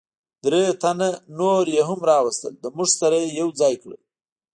درې تنه نور یې هم را وستل، له موږ سره یې یو ځای کړل.